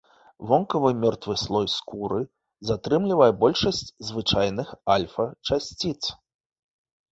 Вонкавы мёртвы слой скуры затрымлівае большасць звычайных альфа-часціц.